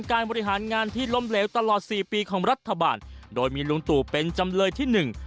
บริหารงานที่ล้มเหลวตลอดสี่ปีของรัฐบาลโดยมีลุงตู่เป็นจำเลยที่หนึ่ง